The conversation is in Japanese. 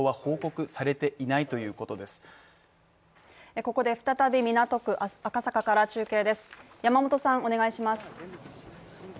ここで再び港区赤坂から中継です。